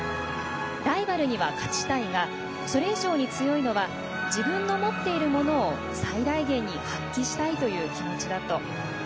「ライバルには勝ちたいがそれ以上に強いのは自分の持っているものを最大限に発揮したいという気持ち」だと。